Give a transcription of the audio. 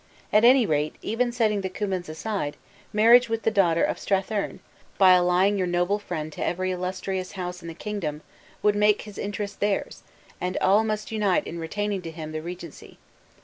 At any rate, even setting the Cummins aside, a marriage with the daughter of Strathearn, by allying your noble friend to every illustrious house in the kingdom, would make his interest theirs, and all must unit in retaining to him the regency.